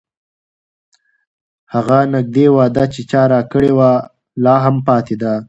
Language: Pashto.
هغه نږدې وعده چې چا راکړې وه، لا هم پاتې ده.